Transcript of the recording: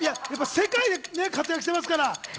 世界で活躍していますから。